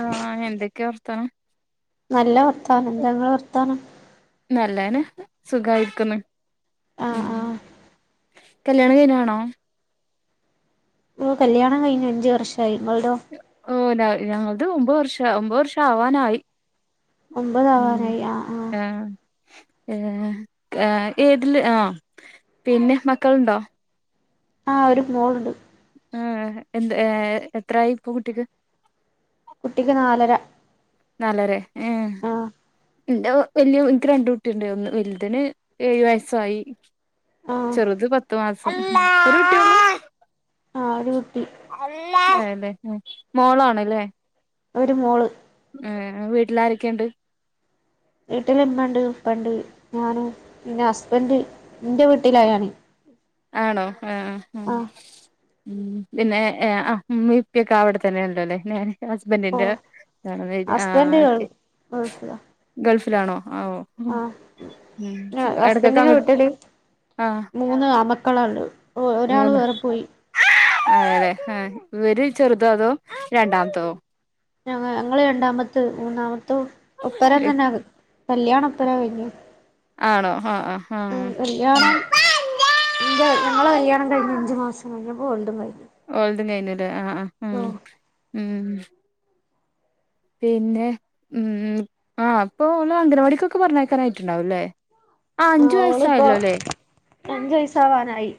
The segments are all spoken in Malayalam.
ആഹ് എന്തൊക്കെയാ വർത്താനം നല്ല വർത്താനം എന്താനിങ്ങട വർത്താനം നല്ലന സുഖായിരിക്കുന്നു ആഹ് ആഹ് കല്യാണം കഴിഞ്ഞാണോ ഓ കല്യാണം കഴിഞ്ഞ് അഞ്ചുവർഷമായി നിങ്ങളുടൊ ഓ ഞങ്ങളത് ഒമ്പത് വർഷം ഒമ്പത് വർഷം ആവാനായി ഒമ്പതാവാനായി ആഹ് ആഹ് പിന്നെ ഏതില് ആ പിന്നെ മക്കളുണ്ടോ ആഹ് ഒരു മോളുണ്ട് ആഹ് എന്ത് എത്രായി ഇപ്പൊ കുട്ടിക്ക് കുട്ടിക്ക് നാലര നാലരെ ഉം ആഹ് എനിക്ക് രണ്ട് കുട്ടിയുണ്ട് ഒന്ന് വലുതിന് ഏഴു വയസ്സായി ആഹ് ചെറുത് പത്തുമാസം ആഹ് ഒരു കുട്ടി അതല്ലേ മോളാണല്ലേ ഒരു മോള് ആ വീട്ടിൽ ആാരൊക്കെയുണ്ട് വീട്ടില ഇമ്മ ഉണ്ട് ഉപ്പ ഉണ്ട് ഞാന് എന്റെ ഹസ്ബൻഡ് എന്റെ വീട്ടിലായാണ് ആണോ ആ ഉം ആഹ് ഉം പിന്നെ ആ ഇപ്പിയക്കെ അവിടെത്തന്നെ ഉണ്ടല്ലോ അല്ലേ ഹസ്ബൻഡിന്റെ ഓഹ് [unintelligible] ആ ഹസ്ബൻഡ് ഗൾ ക്കെ ഗൾഫിലാ ഗൾഫിലാണോ ആഹ് ഉം ആഹ് ഉം പിന്നെ എടക്കൊക്കെ ഹസ്ബൻഡിന്റെ അങ്ങട്ട വീട്ടില് ആഹ് മൂന്ന് ആൺമക്കളാള്ളത് മൂന്ന് അതെല്ലേ ആഹ് ഇവര് ചെറുതോ അതോ രണ്ടാമത്തതോ ഞങ്ങ ഞങ്ങള് രണ്ടാമത്തത് മൂന്നാമത്തെ ഒപ്പര തന്നെ കല്യാണം എപ്പഴാ കഴിഞ്ഞു ആണോ ആഹ് ആഹ് ആഹ് ഉം കല്യാണം ഞങ്ങളെ കല്യാണം കഴിഞ്ഞ് അഞ്ച് മാസം കഴിഞ്ഞപ്പോ ഓൾടെ [unintelligible] ഓൾടെ കഴിഞ്ഞിരു ആഹ് ആ്ഹ് ഉം ഉം പിന്നെ ഉം ആഹ് അപ്പൊ ഓളെ അംഗനവാടിക്കൊക്കെ പറഞ്ഞയക്കാനായിട്ടുണ്ടാവും അല്ലേ ആഹ് ഓൾ ഇപ്പോ അഞ്ച് വയസ് ആവാനായി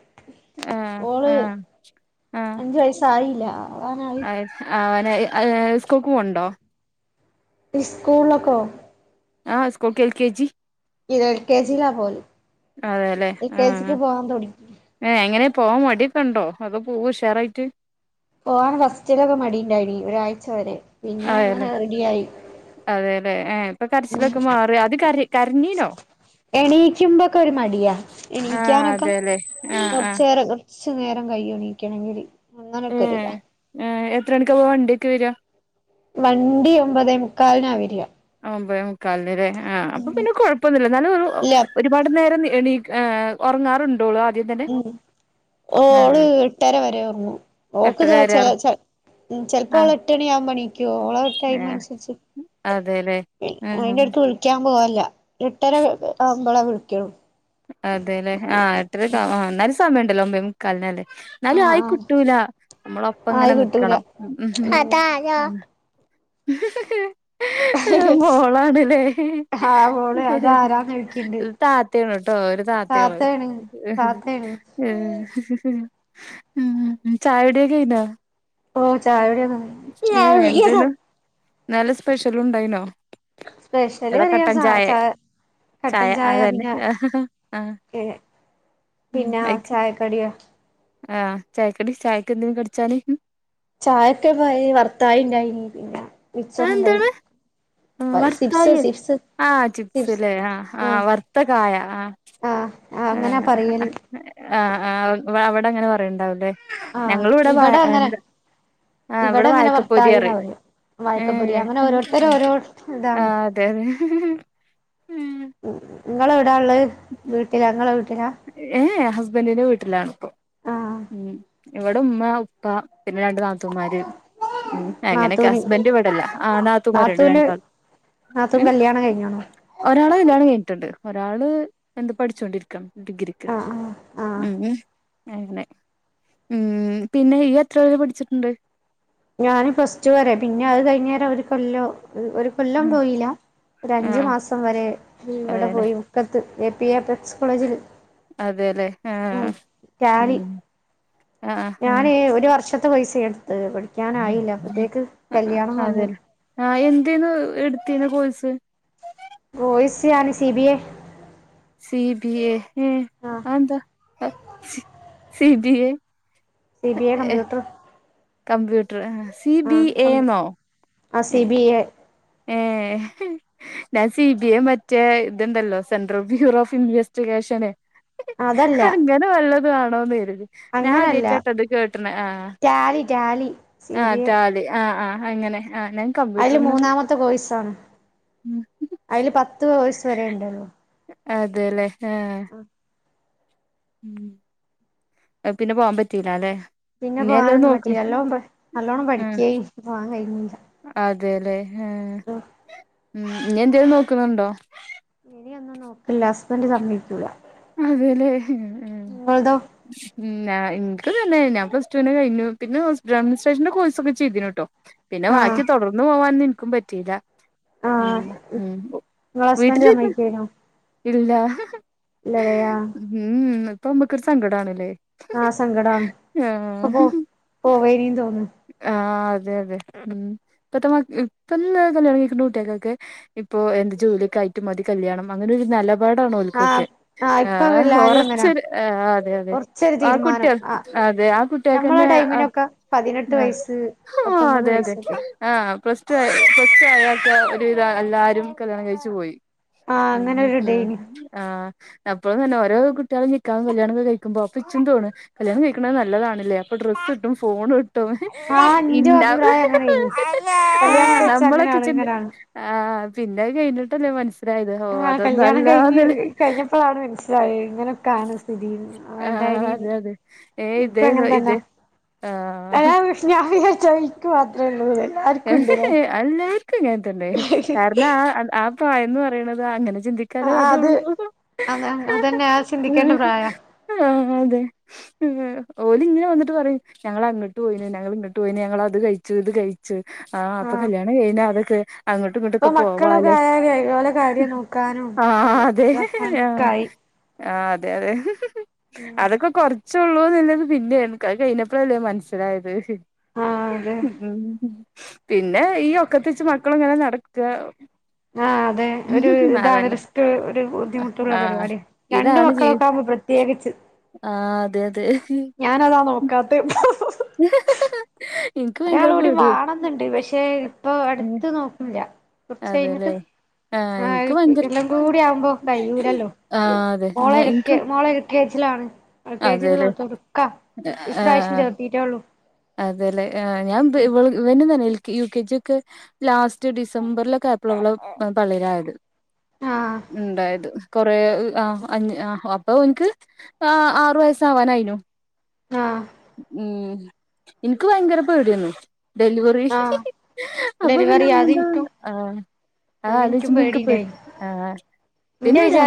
ആഹ് ഓള് ആഹ് അഞ്ച് വയസായില്ല ആവാറായി ആവാനായി ആഹ് സ്കൂൾക്ക് പോവണ്ടോ സ്കൂൾലേക്കോ ആഹ് സ്കൂൾക്ക് എൽ കെ ജി ഇത് എൽ കെ ജി ലാ പോവല് എൽ കെ ജിക്ക് പോവാൻ തുട ഏഹ് എങ്ങനെ പോവാൻ മടിയൊ‌ക്കെ ഉണ്ടോ അതോ പോകുവോ ഉഷാറായിട്ട് പോവാൻ ഫസ്റ്റിലൊക്കെ മടിണ്ടാണി ഒരാഴ്ച വരെ പിന്നെ അങ്ങനെ അതെല്ലെ റെഡിയായി അതെല്ലെ ഏഹ് ഇപ്പം കരച്ചിലൊക്കെ മാറിയോ അത് കര കരഞ്ഞീനോ എണീക്കുമ്പോക്കെ ഒരു മടിയാ ആ എണീക്കാനൊക്കെ അതെല്ലേ ആ ആ കുറച്ച് നേര കുറച്ചു നേരം കഴിയും എണീക്കണോങ്കില് അങ്ങനൊക്കോരിതാ ഏഹ് എത്ര മണിക്കാ പോവാ വണ്ടിയൊക്കെ വരിക വണ്ടി ഒമ്പതേ മുക്കാലിനാ വരിക ഒമ്പതേ മുക്കാലിന് അല്ലേ ആഹ് അപ്പൊ പിന്നെ കൊഴപ്പൊന്നില്ല എന്നാലും ഇല്ല [unintelligible] ഒരുപാട് നേരം എണീക്ക ആഹ് ഉറങ്ങാറുണ്ടോളു ഉം ഓള് എട്ടര വരെ ഒറങ്ങും ഓക്ക് എട്ടര വരെ ചില ചിലപ്പോ ആ അവള് എട്ട് മണി ആവുമ്പോ എണീക്കും ഓള് ഏ ടൈം അനുസരിച്ച് അതെല്ലേ ഉം അയിന്റെടക്ക് വി വിളിക്കാൻ പോവാല്ല എട്ടര ആവുമ്പളേ വിളിക്കൂ അതെല്ലേ ആഹ് എട്ടര ആഹ് എന്നാലും സമയം ഇണ്ടല്ലോ ഒമ്പതേ മുക്കാലിനല്ലേ എന്നാലും ആഹ് ആഹ് ആയിക്കിട്ടൂല നമ്മളൊപ്പം ആയി ഇങ്ങനെ കിട്ടൂല നിക്കണം അതാരാ [unintelligible] മോളാണല്ലേ ആഹ് മോളെ അതാരാന്ന് ചോയിക്ക്ണ്ട് താത്തയാണു ട്ടോ ഒരു താത്തികള് താത്തേണ് താത്തേണ് ഏഹ് ഉം ചായകുടി ഒക്കെ കഴിഞ്ഞോ ഓ ചായ കുടിയൊക്കെ കഴിഞ്ഞു ഏഹ് എന്തേന്ന് നല്ല സ്പെഷ്യൽ ഉണ്ടായിനോ സ്പെഷ്യല് ഏതാ കട്ടൻ ചായെ [unintelligible] കട്ടൻ ചായ പിന്നെ ആഹ് ഏഹ് ഉം പിന്നെ അയ്ക്ക് ചായക്കടിയാ ആഹ് ചായക്കടി ചായക്ക് എന്തേലും കടിച്ചാല് ചായക്ക് [unintelligible] പിന്നെ മിച്ചർ ഇണ്ടായി അതെന്താണ് വർത്തായി ആഹ് ചിപ്സ് സിപ്സ് ലേ ആഹ് ആഹ് വറുത്ത കായ ആഹ് ആഹ് അങ്ങനാ ആഹ് പറയല് ആഹ് ആഹ് അവിടെ അങ്ങനെ പറയണ്ടാവും ല്ലേ ആഹ് ഞങ്ങൾ ഇവിടെ വയ അങ്ങനെ എന്താ ആഹ് ഇവിടെ അങ്ങനെ വായക്കപ്പൊരി വർത്തായിന്നാ അറയും പറയാ വാഴക്കപ്പൊരി ആഹ് അങ്ങനെ ഓരോരുത്തര് ഓരോ ഇതാണ് ആഹ് [unintelligible] ഇങ്ങള് എവിടാ ഉള്ളേ വീട്ടിലാ ഇങ്ങളെ വീട്ടിലാ ഏഹ് ഹസ്ബന്റിന്റെ വീട്ടിലാണിപ്പം ആഹ് ഇവിടെ ഉമ്മ ഉപ്പ പിന്നെ രണ്ടു നാത്തു- നാത്തൂമാര് അങ്ങനെ നാത്തൂന് ഹസ്ബന്റ് ഇവിടെല്ല ആ നാത്തുമാരുണ്ട് നാത്തൂന് രണ്ടു നാത്തു- നാത്തൂൻ കല്യാണം കഴിഞ്ഞതാണോ ഒരാടെ കല്ല്യാണം കഴിഞ്ഞിട്ടുണ്ട്. ഒരാള് എന്ത് പഠിച്ചുകൊണ്ടിരിക്കണ്. ഡിഗ്രി ആഹ് ആഹ് ഉം ആഹ് [unintelligible] അങ്ങനെ ഉം പിന്നെ നീ എത്ര വരെ പഠിച്ചിട്ടുണ്ട്? ഞാന് പ്ലസ് ടു വരെ പിന്നെ അത് കഴിഞ്ഞേരം ഒരു കൊല്ലം ഒരു കൊല്ലം ഉം പോയില്ല. ഒരു അഞ്ച് ആഹ് മാസം വരെ ഇവിടെ അതെല്ലേ പോയി. മുക്കത്ത് എ പി എഫ് എക്സ് കോളേജിൽ- അതെല്ലേ ഉം ആഹ് ടാലി ഉം ആഹ് ആഹ് ഞാനെ ഒരു വർഷം- തെ പൈസയൊടുത്തു പഠിക്കാനായില്ല അപ്പോത്തേക്ക് ആഹ് കല്യാണം വന്ന്! അതെല്ലേ ആഹ് എന്തേനു എടുത്തിരുന്ന കോഴ്സ് വോയിസെ ആണ് C B A C B A. ഉം ആഹ് അതെന്താ C B A C B A computer computer C B ആഹ് എ കമ്പ ന്നോ? ആഹ് സി ബി എ ഏഹ് ഞാൻ സി ബി ഐ മറ്റേ ഇതുണ്ടല്ലോ സെൻട്രൽ ബ്യൂറോ ഓഫ് ഇൻവെസ്റ്റിഗേഷന് - അതല്ല അങ്ങനെ വല്ലതും ആണോന്ന് കരുതി ഞാൻ അങ്ങനല്ല ആദ്യവായിട്ടാ വൈ [unintelligible] ത്ത ടാലി ടാലി സി ആഹ് ബി എ ടാലി! ആഹ്! ആഹ്! അങ്ങനെ ആഹ് ഞാൻ കമ്പ്യൂട്ടറിനെ പറ്റി പത്ത് കോഴ്‌സാണ് അയ്ല് പത്ത് കോഴ്‌സ് വരെയ്ണ്ട്ല്ലോ? അതെല്ലേ ആഹ്! അതെ ഉംഹ് അഹ് പിന്നെ പോകൻ പറ്റീലാല്ലെ? പിന്നെ പോകാനൊന്നും പറ്റില്ല. എല്ലോം നല്ലോണം ആഹ് പഠിക്കുകയും പോവാൻ കഴിഞ്ഞില്ല. അതെല്ലേ ഏഹ് ഇനി എന്തേലും നോക്കുന്നുണ്ടോ ഇനിയൊന്നും നോക്ക്ല്ല. ഹസ്ബൻഡ് സമ്മയ്ക്കൂല്ല. അതെല്ലെ. ഹ് ഉം! ഉം. ആഹാ ഇൻക്ക്തന്നെ ഞാൻ പ്ലസ്ട്ടൊനെ കഴിഞ്ഞു. പിന്നെ ഹോസ്പിറ്റൽ അഡ്മിനസ്ട്രേഷന്റെ കോഴ്സൊക്കെ ചെയ്തിനുട്ടോ! പിന്നെ ആഹ് ബാക്കി തൊടർന്ന് പോകാൻ എനിക്കും പറ്റിയില്ല. ഉം ആഹ് ഉം നിങ്ങളെ ഹസ്ബൻഡ് വീട്ടിലില്ല ഇല്ല ലയാ ഉം ഇപ്പൊമ്മക്കൊരു സങ്കടവാണ് ഇല്ലേ ആഹ് സങ്കടാ ഇപ്പൊ പ്പൊ പോവേനി തോന്നും. ആഹാ അതെ അതെ ഇപ്പത്തെ മക്കക്ക് ഇപ്പ കല്യാണ കഴികെണ്ട കുട്ട്യകൊക്കെ ഇപ്പൊ എന്ത് ജോലിയൊക്കെ ആയിട്ട് മതി കല്യാണം അങ്ങനൊരു നിലപാ നിലപാടാണോൽക്കൊക്കെ. ആഹ് ആഹ് ഇപ്പൊ ആഹാ എല്ലാരും അങ്ങനാ ഒറച്ചൊരു ആഹാ അതെ! അതെ! കുറച്ചൊരു ആ തീരുമാനം കുട്ടിയ ആഹ് അതെ ആ ഞമ്മളെ കുട്ടിയക്കെന്നെ- ടൈമിനൊക്കെ പതിനെട്ട് വയസ്സ് പത്തൊമ്പത് അതെ അതെ വയസ്സൊക്കെ ആഹ്! പ്ലസ് ടു ആയൊരൊക്കെ ഒരുവിധ അല്ലാരും കല്യാണം കഴിച്ചു പോയി. ആഹ് ഉം! അങ്ങനെ ഒരു അഹ്! ഇതേനി ആഹ് അപ്പോഴും തന്നെ ഓരോ കുട്ടികളും നിക്കാഹും കല്യാണമൊക്കെ കഴിക്കുമ്പോ പ്പിച്ചും തോന്നും. കല്യാണം കഴിക്കണത് നല്ലതാണല്ലെ അപ്പൊ ഡ്രസ്സ് കിട്ടും ഫോണും- ട്ടോ ആഹ് ഇന്റെ ഇണ്ടാവോ അഭിപ്രായം അങ്ങനേനി കല്യാണം ആഹ് കഴിച്ചാ നമ്മളൊക്കെ അങ്ങനാണ് ചിന്തി ഇങ്ങനാണ് ആഹ് പിന്നെ അത് കഴിഞ്ഞിട്ടല്ലേ മനസ്സിലായത് ഹൊ ആഹ് അതൊന്നും അ ല്ലാനുള്ളെ മൻസ്സിലായി ഇങ്ങനെക്കാണ് സ്ഥിതീന്ന് ആഹ് വേണ്ടായിനീന്ന് അതെ അതെ ഏഹ് ഇൻക്കും ഇതേന്ന് അങ്ങനെതന്നാ! ഇത് ആഹ്! ഞാൻ വിചാരിച്ചു പോയി എനിക്ക് മാത്രള്ളുന്നു അല്ലാ ർക്കും ഇങ്ങനതെന്നെ കാരണം ആ ആ പ്രായം പറയണത് അങ്ങനെ ചിന്തിക് ക്ക ല് ആഹ് അത് അതൊള്ളൂ അത അതന്നെ അത് ചിന്തിക്കേണ്ട പ്രായാ ആഹ് അതെ. ഓലിങ്ങനെ വന്നിട്ട് പറയും ഞങ്ങൾ അങ്ങോട്ട് പോയിനു ഞങ്ങൾ ഇങ്ങോട്ട് പോയിനി ഞങ്ങൾ അത് കഴിച്ചു ഇത് കയി ച്ചു ആ അപ്പൊ ആഹ് കല്യാണം കഴിഞ്ഞ അതൊക്കെ അങ്ങോട്ടും ഇപ്പൊ ഇങ്ങോട്ടൊക്കെ മക്കളൊക്കെ പോവാലെ ആയാലേ ഓലെ കാര്യം നോക്കാനും ആഹ ഓലെ അതെ ഇതാക്കാനും അ ഒക്കെ ആയി ആ അതെ, അതെ അതൊക്കെ കൊറ ചൊള്ളൂന്നില്ലത് പിന്നെ നികാഹ് കഴിഞ്ഞപ്പയല്ലേ മനസ്സിലായത് ആഹ് അതെ മം ഉം പിന്നെ ഈ ഒക്കത്തെ ച്ച് മക്കളിങ്ങനെ നടക്ക ആ അതെ ഒരു ഇതാണ് അതന്നെ റിസ്ക് ഒരു ബുദ്ധിമുട്ടുള്ള ആ പരിപാടി രണ്ട് ഇതാണ് ജീവി മക്കളൊക്കെ ആകുമ്പോ പ്രത്യേകിച്ച്. ആ അതെ, അതെ. ഞാനത നോക്കാത്തെപ്പൊ [unintelligible] എനിക്ക് ഭയങ്കര ഒരാളൂ ടിം പേടിയാ വാണംന്ന്ണ്ട് പക്ഷെ ഇപ്പൊ അട്ത്ത് നോക്ണില്ല. അതെല്ലേ കൊർച്ചഴിഞ്ഞിട്ട് ആ എനിക്ക് ഭയങ്കര [unintelligible] കൂടി ആവുമ്പോ കയ്യൂലല്ലോ ആ അതെ മോള് ഇൻക്ക് എൽകെ മോളെ ൽക്കേജിയിലാണ് എ ൽക്കേജീല് അതേല്ലേ തൊട്ട് ടുക്ക ഇപ്രാവിശ്യം ചേർത്തീറ്റോള്ളൂ. അതെലെ എ ഞാൻ വ് ഇവ ഇവനുതെ ന്നെ യു കെ ജിയൊക്കെ ലാസ്റ്റ് ഡിസംബറിലൊക്കെ ആയപ്പള ഇവള് പള്ളിലായത്. ആഹ് ഇണ്ടായത് കൊറേ ഹ് അ ആ അപ്പൊ ഇവൻക്ക് ആ ആറു വയസ്സാവാനാ യ്നു. ആഹ് ഇമ്മ് ഇൻക് ഭയങ്കര പേടിയാന്നു. ഡെലിവെറി ആഹ് അപ്പൊ പിന്നെ ഡെലിവറി ഒന്നുണ്ടാവണ്ട അതിൻക്കും ആ ആ അതിൻക്കും അലോചനക്ക് പേടി പേടിണ്ടായിനി ആ പിന്നെരു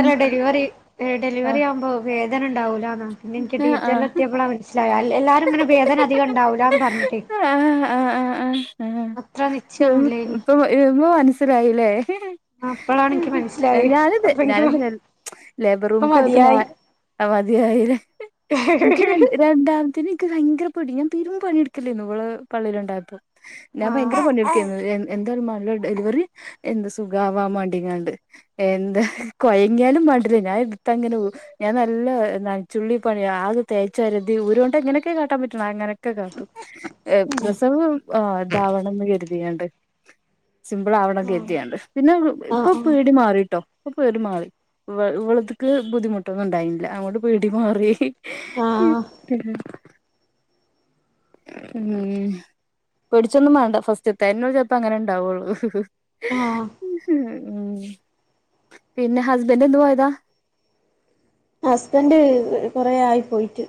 ഹെ ഡെലിവറി ആകുമ്പോ വേദന ഇ ണ്ടാവൂലാന്നാ പിന്നെ ഇൻക് തി ഏഹ് യറ്ററിൽ ആഹ് എത്തിയപ്പള മൻ സിലായ എല്ലാരും ഇങ്ങനെ വേദന അധികം ഇണ്ടാവൂല്ലാന്ന് പറഞ്ഞിട്ടേയ് ആ, ആഹ്, ആഹ്, ആഹ്, ആ ആഹ് ഹ നിശ്ചയൊന്നുല്ലേനി ഇപ്പോ ഇപ്പൊ മനസ്സിലായില്ലേ? അപ്പളാണ് ഇൻക്ക് മനസ്സിലായി ഞാനിത് അപ്പന്ക്ക് ഞാനിന്നലെ ലേബർ റൂമ്ക്ക് പോയപ്പോ നാൻ മതിയാ യില്ലേ ആഹ് ഇൻക് രണ്ട് രണ്ടാം തിന് ഇൻക്ക് ഭയങ്കര പേടി ഞൻപെരും പണിയിട്കാലെന്നു ഇവളെ പള്ളേ ല്ണ്ടായപ്പോ ഞാൻ ഭയങ്കര പണിഎടുക്കേർന്നു എന്താലും മാണ്ടില്ല ഡെലിവറി എന്ത് സുഖവാൻ മാണ്ടിക്കാണ്ട്. എന്താ കൊയങ്ങിയാലും മാ ണ്ടില്ല ഞാൻ എട്തങ്ങനെ പോവു ഞാൻ നല്ല ന്നൻചൂള്ളിപ്പണി യാ ആകെ തേചോര്തി ഒര് വെ ട്ടേങ്ങനൊക്കെ കാട്ടാൻ പറ്റുണു അങ്ങനൊക്കെ കാട്ടും. ഏ പ്രസവം ആ ഇതാവണംന്ന് ക രുതിയാണ്ട്. സിമ്പിൾ ആവണം കെര്തിയാണ്ട് പിന്നെ വ് ഇപ്പൊ ആഹ് പേടി മാറിട്ടോ ഇപ്പൊ പേടി മാറി. ഇവ ഇവള്ത്ക്ക് ബുദ്ധിമുട്ടൊന്നും ഇ ണ്ടായില്ല അത് കൊണ്ട് പേടി മാറി ആഹ് ആഹ് ഉം പേടിച്ചൊന്നും മാണ്ട ഫസ്റ്റ്ത്തെന്നെ ചെൽ പ്പങ്ങനെ ഇണ്ടാവൊള്ളൂ ആഹ് ഇഹ് മ് പിന്നെ ഹസ്ബന്റ് എന്ന് പോയതാ? ഹസ്ബന്റ് കൊറെയായി പോയിറ്റ്.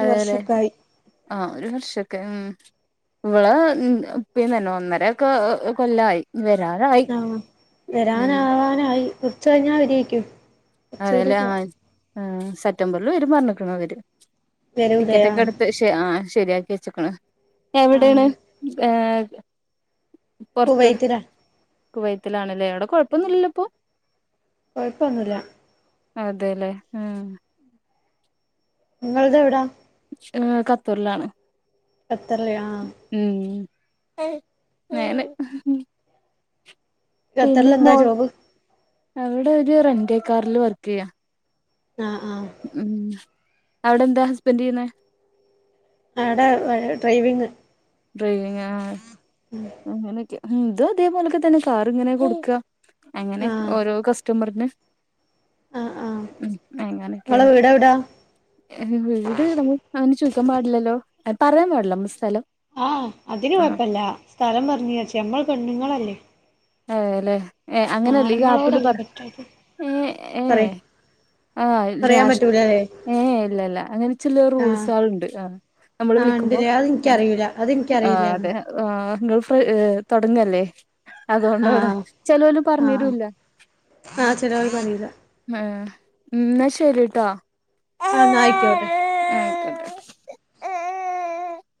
അതലെ ആ ഒരു വർഷൊക്കെ ഉം ഇവളെ മ് ഉപ്പിതെന്നെ ഒന്നര ഒക്കെ കൊല്ലാ യി. വെരാറായി. ആഹ് വരാനാവാനായി കുറച്ച് കഴിഞ്ഞാ വെരിയെക്ക്യും. അതെല്ലേ ആ അഹ് സെപ്റ്റംബറിൽ വെരും പറഞ്ക്ണ് അവര് വരൂലേ ടിക്കറ്റോക്കെ ആഹ് എടുത്ത് ശ് റ്റ് ആ ശെരിയാക്കി വെച്ചക്ണ് ആഹ് എവിടെണ് എ റ്റെ പൊർത്ത് കുവൈത്തിലാ കുവൈത്തിലാണ്ലേ അവടെ കൊഴപ്പൊന്നുല്ലല്ലോ ഇപ്പൊ? കുഴപ്പന്നുല്ല. അതേല്ലേ മ്. ഇങ്ങളത് എവടാ? ഏ ഖത്തറിലാണ്. കത്തറല് ആ. മ്. പിന്നെ ഖത്തറിലെന്താ മോൾ ജോബ് അവിടെ ഒരു റൻന്റെ കാറിൽ വർക്ക് ചെയ്യാ. ആ ആ. ഉം അവിടെ എന്താ ഹസ്ബൻന്റ് ചെയ്യുന്നേ അവ്ടെ ഡ്രൈവിങ്. ഡ്രൈവിങ്ങ് ആഹ് മ്. അങ്ങനെയൊക്കെ ഇത് അതേപോലെക്കെതന്നെ കാർ ഇങ്ങനെ കൊടുക്കുക അങ്ങനെ ആഹ് ഓരോ കസ് റ്റമറിന്ന് ആഹ് ആഹ് ഉ ഇങ്ങളെ അങ്ങനൊക്കെയാണ്. വീടെവിടാ വീട് നമ്മള് അങ്ങനെ ചോദിക്കാൻ പാടില്ലല്ലോ പറയാൻ പാടില്ല നമ്മ സ്ഥലം. ആഹ അതിന് ആഹ് കൊഴപ്പല്ല സ്ഥലം പറഞ്ഞച്ച നമ്മൾ പെണ്ണുങ്ങളല്ലേ. അതല്ലേ ഏ അങ്ങനെയല്ലേ ഈ ആപ്പില് ആണുങ്ങളോടല്ലേ പറ പറ്റാത്തെ ഏ ഏ പറയ് ആ പറയാൻ രാഷ് പറ്റൂലല്ലേ ഏ ഇല്ലല്ല അങ്ങനെ ചില ആഹ് റൂൾസാള് ണ്ട് ആ നമ്മള് ആഹ് വിളിക്കുമ്പോ ഇണ്ട്ല്ലേ അത് ഇൻക്കറിയൂല അത് ആ ഇൻക്കറിയില്ലാന്ന് അതെ. ആ ഗൾഫ് തുടങ്ങല്ലേ? അതുകൊണ്ടാണ് ആഹ് ചെലോൽ ആഹ് പറഞ്ഞരുല. ആഹ് ചെലോൽക്കറിയൂല ഏഹ് ഇന്നശരിട്ടോ. ആന്നയിക്കോട്ടെ. ആയിക്കോട്ടെ